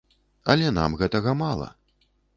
Але нам гэтага мала.